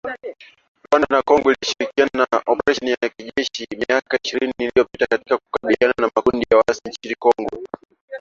Rwanda na Kongo zilishirikiana katika oparesheni ya kijeshi, miaka miwili iliyopita katika kukabiliana na makundi ya waasi nchini Kongo